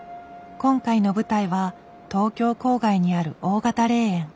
今回の舞台は東京郊外にある大型霊園。